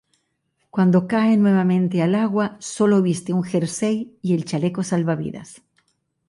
Cuando cae nuevamente al agua, sólo viste un jersey y el chaleco salvavidas.